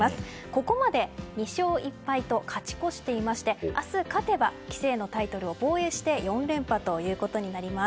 ここまで２勝１敗と勝ち越していまして明日、勝てば棋聖のタイトルを防衛して４連覇ということになります。